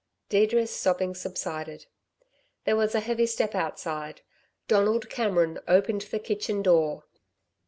Deirdre's sobbing subsided. There was a heavy step outside. Donald Cameron opened the kitchen door.